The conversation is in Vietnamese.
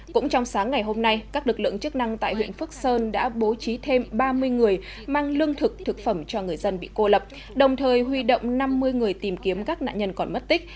cũng trong sáng ngày hôm nay các lực lượng chức năng tại huyện phước sơn đã bố trí thêm ba mươi người mang lương thực thực phẩm cho người dân bị cô lập đồng thời huy động năm mươi người tìm kiếm các nạn nhân còn mất tích